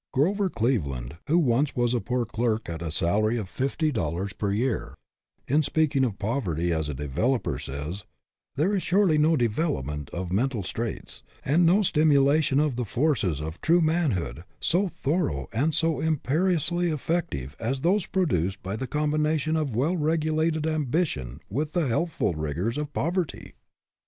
Grover Cleveland, who was once a poor clerk at a salary of fifty dollars a year, in speaking of poverty as a developer, says :" There is surely no development of mental traits, and no stimulation of the forces of true manhood so thorough and so imperiously effective as those produced by the combination of well regulated ambition with the healthful rigors of poverty."